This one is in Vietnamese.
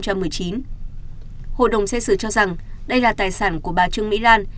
hội đồng xét xử cho rằng đây là tài sản của bà trương mỹ lan